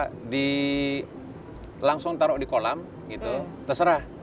jadi langsung taruh di kolam gitu terserah